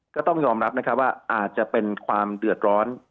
ก็ต้องยอมรับนะครับว่าอาจจะเป็นความเดือดร้อน